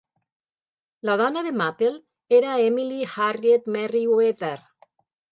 La dona de Maple era Emily Harriet Merryweather.